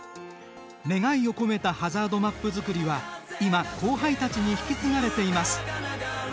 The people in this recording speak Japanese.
願いを込めたハザードマップ作りは今、後輩たちに引き継がれています。